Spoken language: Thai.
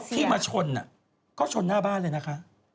ที่มาชนก็ชนหน้าบ้านเลยนะคะ